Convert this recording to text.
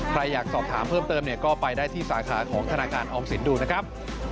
ใครอยากสอบถามเพิ่มเติมเนี่ยก็ไปได้ที่สาขาของธนาคารออมสินดูนะครับ